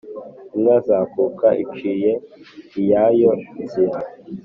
inka zakuka, iciye iyayo nzira,